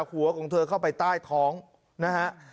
หัวของเธอเข้าไปใต้ท้องนะฮะ